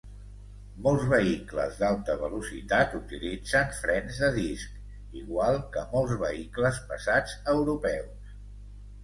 Molts vehicles d'alta velocitat utilitzen frens de disc, igual que molts vehicles pesats europeus.